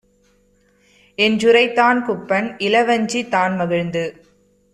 என்றுரைத்தான் Kuppan. Ilavanji தான்மகிழ்ந்து